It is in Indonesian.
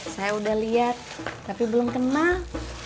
saya udah lihat tapi belum kenal